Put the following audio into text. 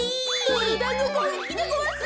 どろだんごこうげきでごわす！